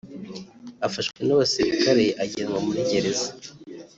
afashwe n’abasirikare ajyanwa muri gereza